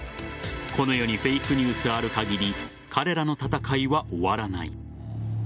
この世にフェイクニュースある限り彼らの戦いは終わらない。